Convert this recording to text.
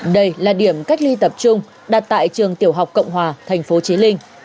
đây là điểm cách ly tập trung đặt tại trường tiểu học cộng hòa thành phố trí linh